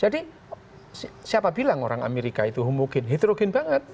jadi siapa bilang orang amerika itu homogen heterogen banget